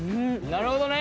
なるほどね！